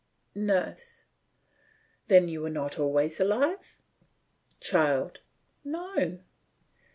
NURSE: Then you were not always alive! CHILD: No.